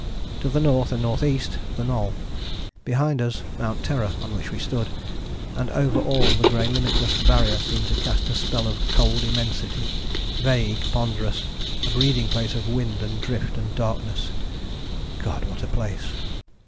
To the north and north east the Knoll. Behind us Mount Terror on which we stood, and over all the grey limitless Barrier seemed to cast a spell of cold immensity, vague, ponderous, a breeding place of wind and drift and darkness. God! What a place!